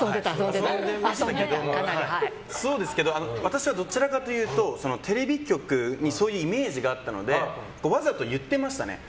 遊んでましたけど私はどちらかというとテレビ局にそういうイメージがあったのでわざと言ってましたね。